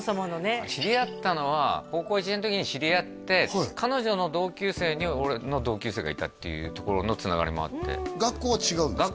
知り合ったのは高校１年の時に知り合って彼女の同級生に俺の同級生がいたっていうところのつながりもあって学校は違うんですか？